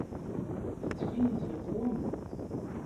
Yettbin-d yeqwem.